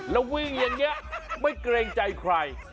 แล้ววิ่งอย่างนี้ไม่เกรงใจใคร